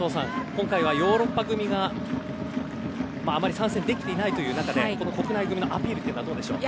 今回はヨーロッパ組があまり参戦できていないという中で国内組のアピールという点ではどうでしょう。